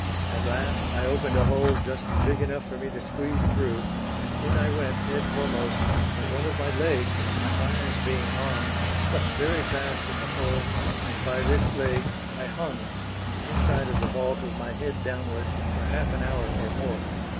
At last I opened a hole just big enough for me to squeeze through, and in I went head foremost, but one of my legs, my irons being on, stuck very fast in the hole, and by this leg I hung in the inside of the vault with my head downward for half an hour or more.